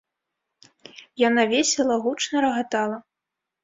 Яна весела, гучна рагатала.